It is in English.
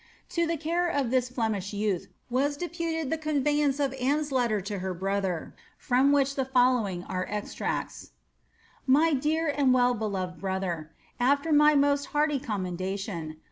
To the care of this Flemish youtli was deputed the convey ance of Anne's letter to her brother, fiom which the following are ez tncts: —hlj dear and well beloved brother, — AAer my most hearty commendation.